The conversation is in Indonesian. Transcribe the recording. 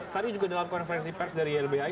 tadi juga dalam konferensi pers dari ylbhi